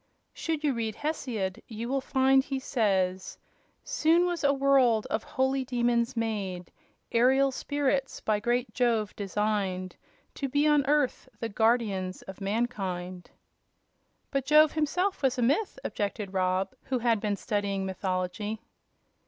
Should you read Hesiod you will find he says: 'Soon was a world of holy demons made, Aerial spirits, by great Jove designed To be on earth the guardians of mankind.'" "But Jove was himself a myth," objected Rob, who had been studying mythology.